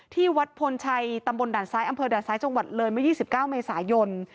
ที่วัดพลชัยตำบลด่านซ้ายอำเภอด่านซ้ายจังหวัดเลยเมื่อ๒๙เมษายน